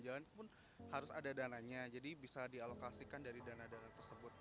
jalan itu pun harus ada dananya jadi bisa dialokasikan dari dana dana tersebut